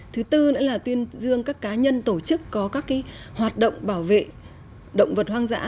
thứ tư nữa là tuyên dương các cá nhân tổ chức có các hoạt động bảo vệ động vật hoang dã